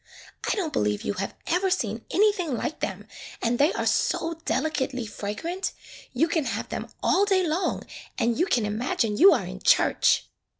"I don't believe you have ever seen anything like them, and they are so delicately fragrant. You can have them all day long and you can imagine you are in church."